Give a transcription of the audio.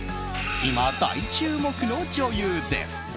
今、大注目の女優です。